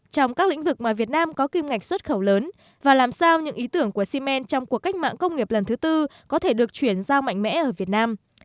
trong các lĩnh vực mà việt nam có kim ngạch xuất khẩu lớn và làm sao những ý tưởng của xi men trong cuộc cách mạng công nghiệp lần thứ tư có thể được chuyển giao mạnh mẽ ở việt nam